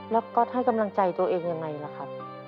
แล้วก๊อตให้กำลังใจตัวเองยังไงล่ะครับ